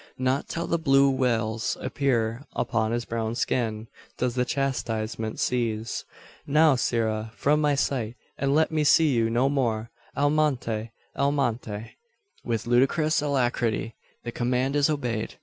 Not till the blue wheals appear upon his brown skin, does the chastisement cease. "Now, sirrah; from my sight! and let me see you no more. Al monte! al monte!" With ludicrous alacrity the command is obeyed.